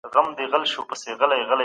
موږ باید د حق دپاره خپله پوهه وکاروو.